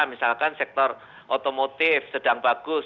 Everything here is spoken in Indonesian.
misalkan sektor otomotif sedang bagus